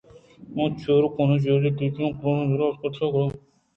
آ چیروکائی چہ وتی ٹیچر ءِ کلاس ءَ دراتکگ ءُایشانی کِرّا اتکگ اَت